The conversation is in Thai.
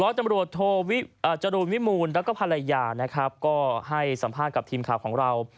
ร้อยตำรวจโทรจรุมวิมูลและภรรยาให้สัมภาษณ์กับทีมข้าวของเรา